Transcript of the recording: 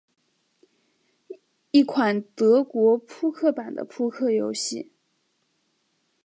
一款德州扑克版的扑克游戏。